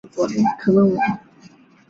没有人可以经过这里！